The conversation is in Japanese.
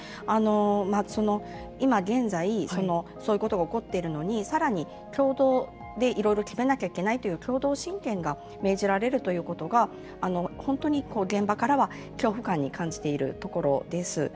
今現在、そういうことが起こっているのにさらに共同で、いろいろ決めなきゃいけないという共同親権が命じられるということが本当に現場からは恐怖感に感じているところです。